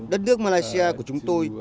đất nước malaysia của chúng tôi